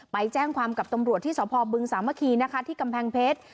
ไปแจ้งความกับตำรวจที่สพบึงสามัคคีนะคะที่กำแพงเพชร